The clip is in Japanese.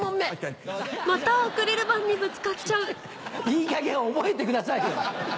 いいかげん覚えてくださいよ。